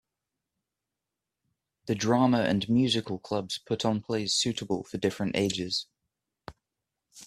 The drama and musical clubs put on plays suitable for different ages.